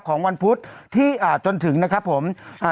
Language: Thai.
ของวันพุฏจนถึงนะครับผม